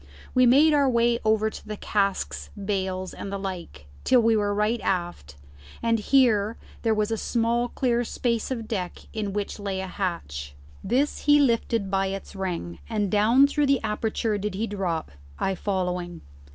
We made our way over the casks, bales, and the like, till we were right aft, and here there was a small clear space of deck in which lay a hatch. This he lifted by its ring, and down through the aperture did he drop, I following.